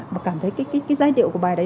mà cảm thấy cái giai điệu của bài đấy